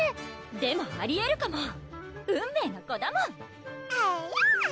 ⁉でもありえるかも運命の子だもんえるぅ！